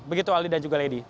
begitu aldi dan juga lady